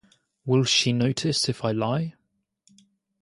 Will she notice if I lie?